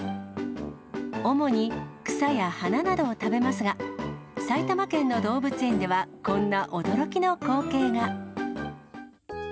主に草や花などを食べますが、埼玉県の動物園では、こんな驚きの光景が。